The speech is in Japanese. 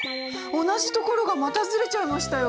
同じ所がまたずれちゃいましたよ。